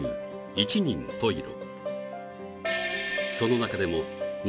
「一人十色」